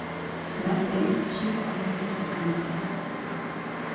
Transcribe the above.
That day, she committed suicide.